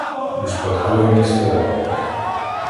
Успадковані слова